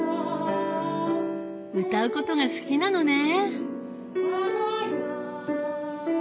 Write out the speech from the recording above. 歌うことが好きなのね。